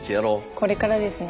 これからですね。